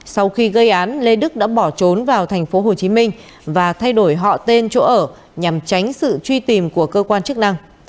sau khi gây án lê đức đã bỏ trốn vào thành phố hồ chí minh và thay đổi họ tên chỗ ở nhằm tránh sự truy tìm của cơ quan chức năng